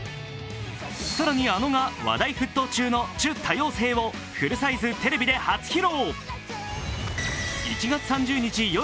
更にａｎｏが話題沸騰中の「ちゅ、多様性」をフルサイズテレビで初披露。